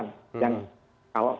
ini sekedar syarat ini sekedar peraturan